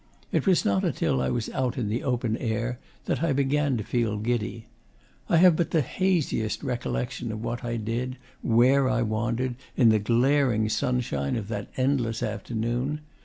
It was not until I was out in the open air that I began to feel giddy. I have but the haziest recollection of what I did, where I wandered, in the glaring sunshine of that endless afternoon.